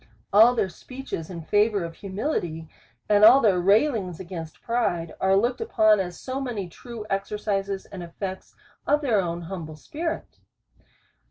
All their speeches in favour of humility, and all their railings against pride, are looked upon as so many true exercises, and effects of their own humble spirit.